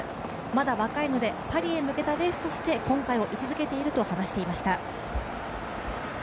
まだ若いので、パリへ向けたレースとして今回を位置づけていると話していました。